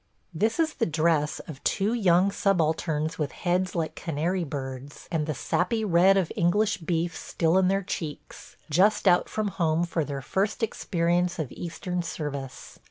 This is the dress of two young subalterns with heads like canary birds, and the sappy red of English beef still in their cheeks, just out from home for their first experience of Eastern service.